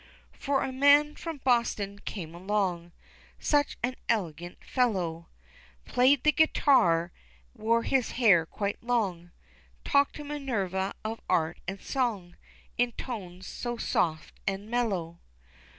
For a man from Boston came along, (Such an elegant fellow) Played the guitar, wore his hair quite long, Talked to Minerva of art and song In tones so soft an' mellow.